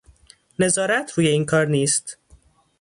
نظارت روی این کار نیست